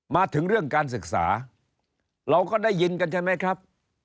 มาถึงเรื่องการศึกษาเราก็ได้ยินกันใช่ไหมครับ